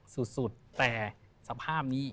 สุดแต่สภาพนี้